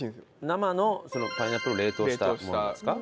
生のパイナップルを冷凍したものですか？